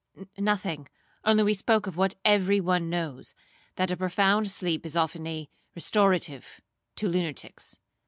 '—'Nothing, we only spoke of what every one knows, that a profound sleep is often a restorative to lunatics.